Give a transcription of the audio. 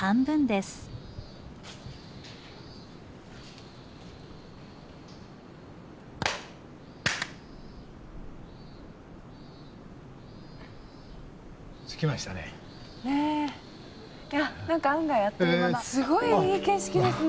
すごいいい景色ですね。